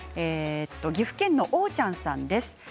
岐阜県の方です。